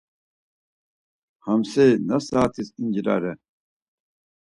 Hamseri na saatis incirare?